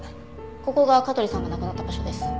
ここが香取さんが亡くなった場所です。